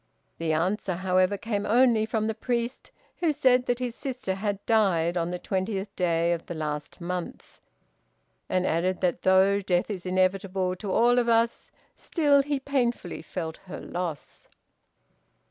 The answer, however, came only from the priest, who said that his sister had died on the twentieth day of the last month; and added that though death is inevitable to all of us, still he painfully felt her loss.